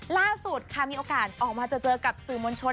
ล่าสุดค่ะมีโอกาสออกมาเจอกับสื่อมวลชน